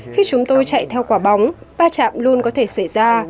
khi chúng tôi chạy theo quả bóng ba chạm luôn có thể xảy ra